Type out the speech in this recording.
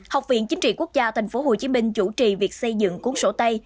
học viện chính trị quốc gia tp hcm chủ trì việc xây dựng cuốn sổ tay